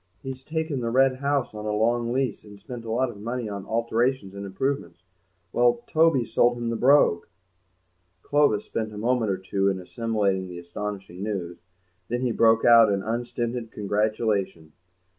He's taken the Red House on a long lease and spent a lot of money on alterations and improvements. Well, Toby's sold him the Brogue!" Clovis spent a moment or two in assimilating the astonishing news; then he broke out into unstinted congratulation.